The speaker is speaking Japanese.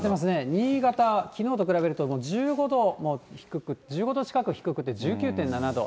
新潟、きのうと比べると１５度も低く、１５度近く低くて１９．７度。